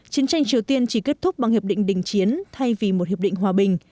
chiến tranh triều tiên chỉ kết thúc bằng hiệp định đình chiến thay vì một hiệp định hòa bình